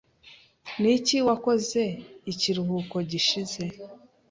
Niki wakoze ikiruhuko gishize?